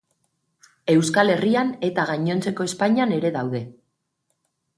Euskal Herrian eta gainontzeko Espainian ere daude.